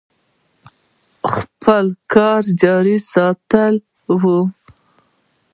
خپل کار جاري ساتلی و.